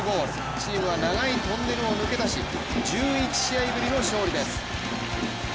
チームは長いトンネルを抜け出し、１１試合ぶりの勝利です。